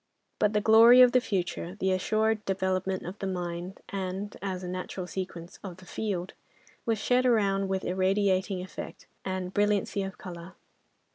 But the glory of the future, the assured development of the mine, and, as a natural sequence, of the "field," was shed around with irradiating effect and brilliancy of colouring.